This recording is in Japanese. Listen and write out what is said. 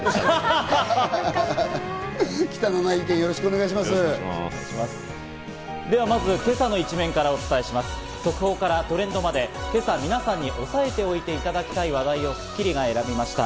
速報からトレンドまで、今朝みなさんに押さえておいていただきたい話題を『スッキリ』が選びました。